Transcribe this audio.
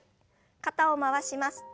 肩を回します。